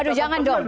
aduh jangan dong